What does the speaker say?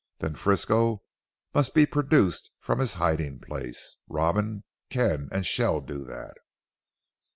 Then Frisco must be produced from his hiding place. Robin can and shall do that."